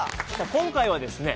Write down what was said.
今回はですね